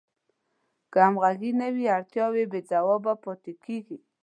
که همغږي نه وي اړتیاوې بې ځوابه پاتې کیږي.